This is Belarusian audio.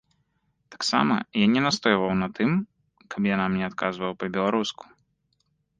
Таксама я не настойваў на тым, каб яна мне адказвала па-беларуску.